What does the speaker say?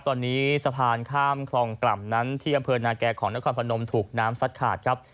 ตอนนี้สะพานข้ามคลองกล่ำนั้นที่อำเภอนาแก่ของนครพนมถูกน้ำซัดขาดครับ